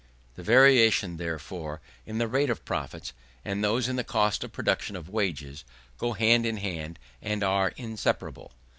The variations, therefore, in the rate of profits, and those in the cost of production of wages, go hand in hand, and are inseparable.